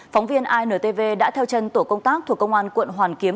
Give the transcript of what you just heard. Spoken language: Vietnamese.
phóng viên intv đã theo chân tổ công tác thuộc công an quận hoàn kiếm